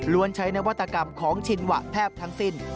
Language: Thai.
ใช้นวัตกรรมของชินหวะแทบทั้งสิ้น